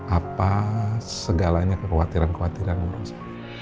apa segalanya kekhawatiran kekhawatiran bu rossa